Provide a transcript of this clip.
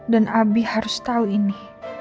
dan abi harus tau ini